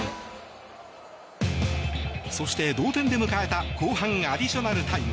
そして、同点で迎えた後半アディショナルタイム。